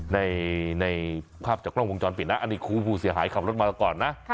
ในภาพจากกล้องวงจรปิดนะอันนี้ครูผู้เสียหายขับรถมาก่อนนะ